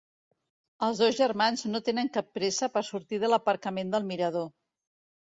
Els dos germans no tenen cap pressa per sortir de l'aparcament del mirador.